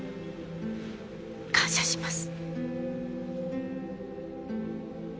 感謝します。